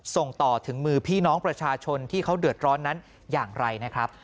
ส่งต่อถึงมือพี่น้องประชาชนที่เขาเดือดร้อนนั้นอย่างไรนะครับ